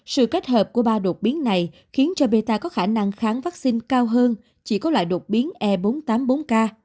sự kết hợp của ba đột biến này khiến cho meta có khả năng kháng vaccine cao hơn chỉ có loại đột biến e bốn trăm tám mươi bốn k